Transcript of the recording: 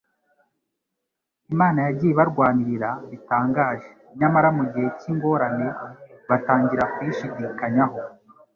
Imana yagiye ibarwanirira bitangaje; nyamara mu gihe cy'ingorane batangira kuyishidikanyaho,